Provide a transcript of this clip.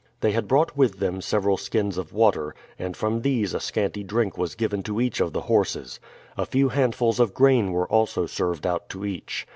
They had brought with them several skins of water, and from these a scanty drink was given to each of the horses. A few handfuls of grain were also served out to each.